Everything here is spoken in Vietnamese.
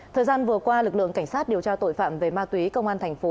thời gian vừa qua lực lượng cảnh sát điều tra tội phạm về ma túy công an thành phố